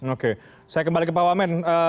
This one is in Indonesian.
oke saya kembali ke pak wamen